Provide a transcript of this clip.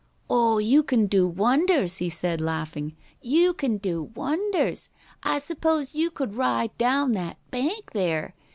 "Oh, you can do wonders!" he said, laughing. "You can do wonders! I s'pose you could ride down that bank there?"